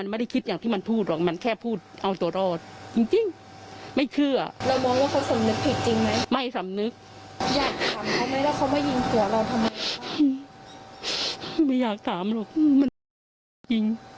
แล้วท่านฝูกยืนจะตาย